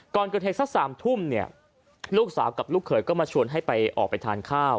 ก่อนเกิดเหตุสัก๓ทุ่มเนี่ยลูกสาวกับลูกเขยก็มาชวนให้ไปออกไปทานข้าว